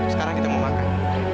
sekarang kita mau makan